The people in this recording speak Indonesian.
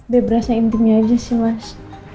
biar berasa intimnya aja sih mas